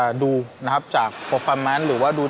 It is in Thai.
ตอนนี้เรามีพวกมันเกี่ยวกับพวกเราแต่เราไม่มีพวกมันเกี่ยวกับพวกเรา